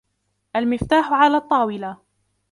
المفتاح علي الطاولة.